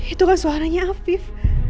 itu kan suaranya afif